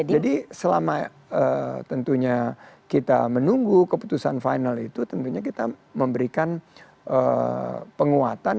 jadi selama tentunya kita menunggu keputusan final itu tentunya kita memberikan penguatan